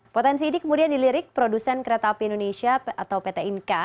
potensi ini kemudian dilirik produsen kereta api indonesia atau pt inka